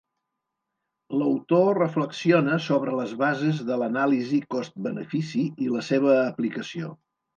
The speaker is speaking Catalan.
L'autor reflexiona sobre les bases de l'anàlisi cost-benefici i la seva aplicació.